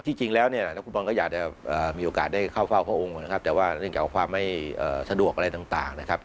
แต่ว่าเนื่องจากความไม่สะดวกอะไรต่างนะครับ